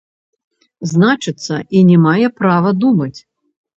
Значыцца, і не маеце права думаць.